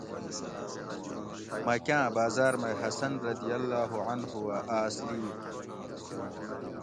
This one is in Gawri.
مکاۤں باۤزاۤر مئ حسن رضی اللّٰہ عنہُ اۤ آۤس لِیڄ